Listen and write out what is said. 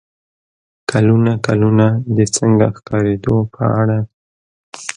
کلونه کلونه د "څنګه ښکارېدو" په اړه